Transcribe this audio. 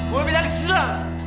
gue bilang kesini lah